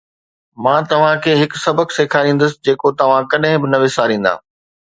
مان توهان کي هڪ سبق سيکاريندس جيڪو توهان ڪڏهن به نه وساريندا